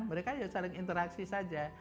mereka ya saling interaksi saja